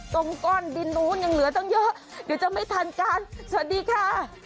ก้อนดินนู้นยังเหลือตั้งเยอะเดี๋ยวจะไม่ทันกันสวัสดีค่ะ